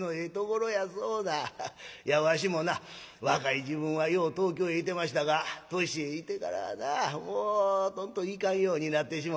いやわしもな若い時分はよう東京へ行ってましたが年いってからはなもうとんと行かんようになってしもた」。